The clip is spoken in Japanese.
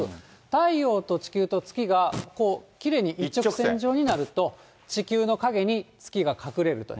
太陽と地球と月がこう、きれいに一直線上になると、地球の影に月が隠れると。